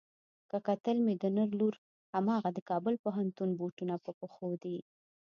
که کتل مې د نر لور هماغه د کابل پوهنتون بوټونه په پښو دي.